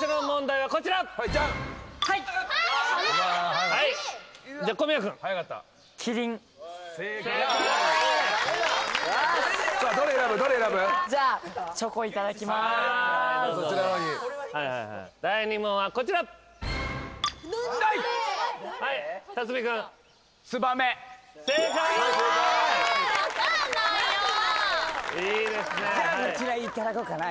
じゃあこちらいただこうかないちご。